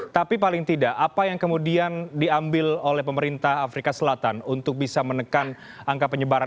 tapi paling tidak apa yang kemudian diambil oleh pemerintah afrika selatan untuk bisa menekan angka penyebaran